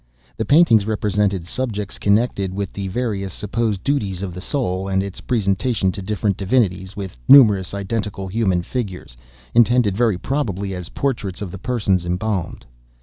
The paintings represented subjects connected with the various supposed duties of the soul, and its presentation to different divinities, with numerous identical human figures, intended, very probably, as portraits of the persons embalmed.